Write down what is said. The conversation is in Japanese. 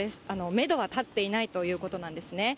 メドは立っていないということなんですね。